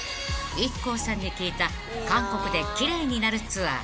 ［ＩＫＫＯさんに聞いた韓国でキレイになるツアー］